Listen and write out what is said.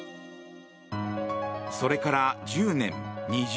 それから１０年、２０年。